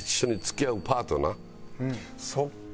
そっか。